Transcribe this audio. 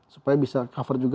supaya bisa cover jawa